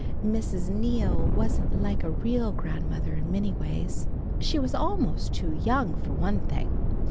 Mrs. Neal wasn't like a real grandmother in many ways. She was almost too young, for one thing.